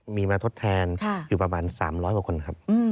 มีมาทดแทนอยู่ประมาณ๓๐๐กว่าคนครับ